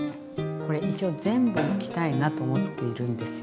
これ一応全部いきたいなと思っているんですよ。